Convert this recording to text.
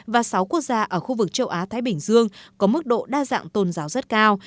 và sáu quốc gia ở khu vực châu á thái bình dương có mức độ đa dạng tôn giáo rất cao